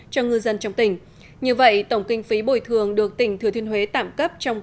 cho ngư dân trong tỉnh như vậy tổng kinh phí bồi thường được tỉnh thừa thiên huế tạm cấp trong